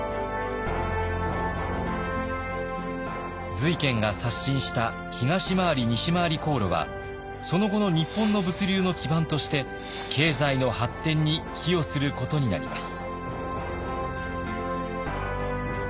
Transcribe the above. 瑞賢が刷新した東廻り西廻り航路はその後の日本の物流の基盤として経済の発展に寄与することになります。